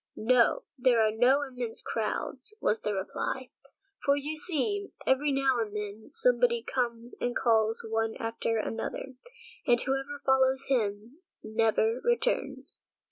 "No, there are no immense crowds," was the reply, "for you see, every now and then somebody comes and calls one after another, and whoever follows him, never returns."